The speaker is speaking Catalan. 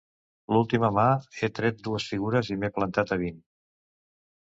L'última mà he tret dues figures i m'he plantat a vint.